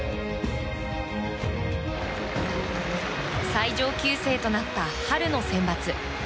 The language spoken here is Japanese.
最上級生となった春のセンバツ。